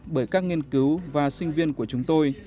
bởi các nghiên cứu và sinh viên của chúng tôi